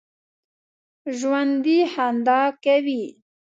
ژوندي خندا کوي